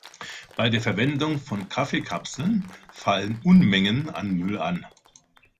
Bei der Verwendung von Kaffeekapseln fallen Unmengen an Müll an.